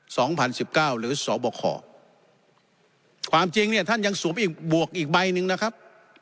สองพันสิบเก้าหรือสบคความจริงเนี่ยท่านยังสวมอีกบวกอีกใบหนึ่งนะครับ